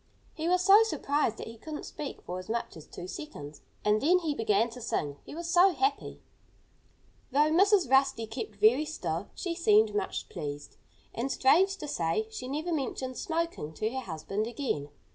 He was so surprised that he couldn't speak for as much as two seconds. And then he began to sing he was so happy. Though Mrs. Rusty kept very still, she seemed much pleased. And, strange to say, she never mentioned smoking to her husband again.